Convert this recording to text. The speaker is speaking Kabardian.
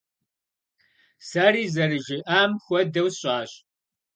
Сэри зэрыжиӀам хуэдэу сщӀащ.